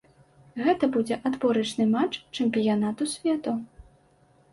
Гэта будзе адборачны матч чэмпіянату свету.